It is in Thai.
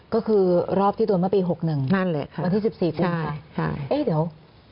ก็คือรอบที่โดนมาปี๖๑วันที่๑๔ปุ่นค่ะไอ้เดี๋ยว